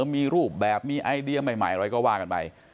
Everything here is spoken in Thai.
มีรูปแบบมีไอเดียใหม่อะไรก็ว่ากันไป